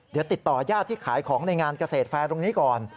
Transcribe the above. เดี๋ยวติดต่อญาติที่ขายของในงานเกษตรแฟร์ตรงนี้ก่อน